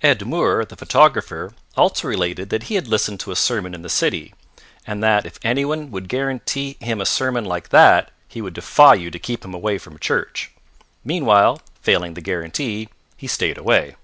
Ed Moore, the photographer, also related that he had listened to a sermon in the city, and that if anyone would guarantee him a sermon like that he would defy you to keep him away from church. Meanwhile, failing the guarantee, he stayed away.